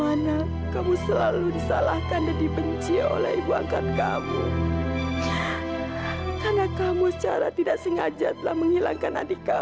aku benar benar banyak kalau bisa ketemu lagi sama dia